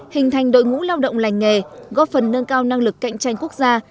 hình thành đội ngũ lao động lành nghề góp phần nâng cao năng lực cạnh tranh quốc gia